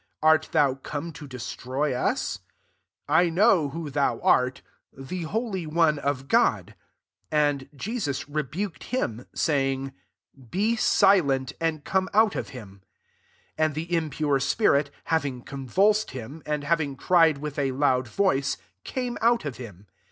art thou come to destroy us ? I know who thou art, the holy one of God '* 25 And Jesus rebuked him, saying, " Be silent, and come out of of him.^' 26 And the impure spirit, having convulsed him, and having cried with a loud voice, came out of him.